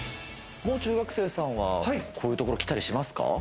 もう中学生さんは、こういうとこきたりしますか？